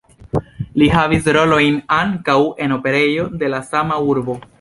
Li havis rolojn ankaŭ en operejo de la sama urbo.